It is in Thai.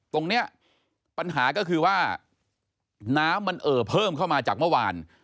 ตรงนี้ปัญหาก็คือว่าน้ำมันเอ่อเพิ่มเข้ามาจากเมื่อวาน